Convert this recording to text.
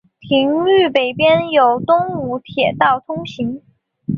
町域北边有东武铁道通过。